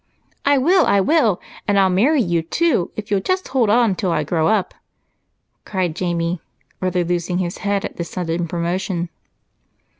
"I will, I will I'll marry you too, if you'll just hold on till I grow up!" cried Jamie, rather losing his head at this sudden promotion.